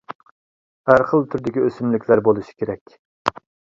ھەر خىل تۈردىكى ئۆسۈملۈكلەر بولۇشى كېرەك.